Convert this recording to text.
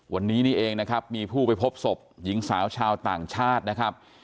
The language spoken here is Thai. วันนี้นี่เองนะครับมีผู้ไปพบศพหญิงสาวชาวต่างชาตินะครับ